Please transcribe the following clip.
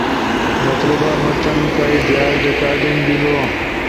[مطلوبہ متن کائی زیاد ریکارڈ بیلنو]